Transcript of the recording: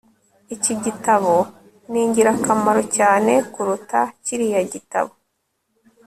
Iki gitabo ni ingirakamaro cyane kuruta kiriya gitabo